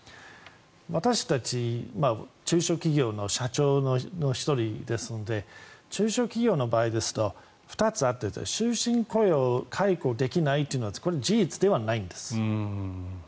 私たち中小企業の社長の１人ですので中小企業の場合ですと２つあって終身雇用解雇できないというのはこれ、事実ではないんです。